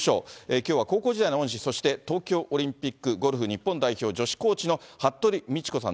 きょうは高校時代の恩師、そして東京オリンピックゴルフ日本代表女子コーチの服部道子さん